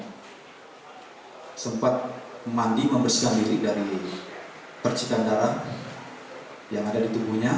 dan sempat mandi membersihkan diri dari percikan darah yang ada di tubuhnya